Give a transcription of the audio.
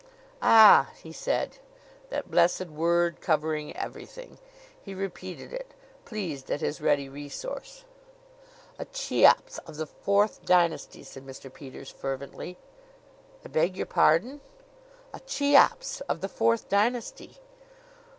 "Ah!" he said that blessed word; covering everything! He repeated it, pleased at his ready resource. "A Cheops of the Fourth Dynasty," said Mr. Peters fervently. "I beg your pardon?" "A Cheops of the Fourth Dynasty."